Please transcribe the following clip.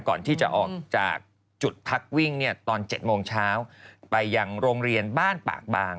ก่อนที่จะออกจากจุดพักวิ่งเนี่ยตอน๗โมงเช้าไปยังโรงเรียนบ้านปากบาง